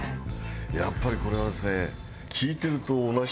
やっぱりこれはですね。